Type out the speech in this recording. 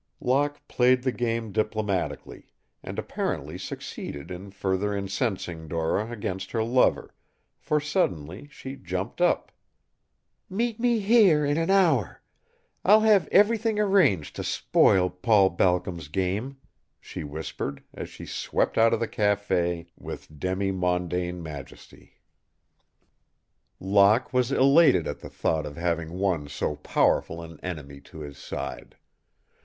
Locke played the game diplomatically, and apparently succeeded in further incensing Dora against her lover, for, suddenly she jumped up. "Meet me here in an hour. I'll have everything arranged to spoil Paul Balcom's game," she whispered, as she swept out of the café with demi mondaine majesty. Locke was elated at the thought of having won so powerful an enemy to his side.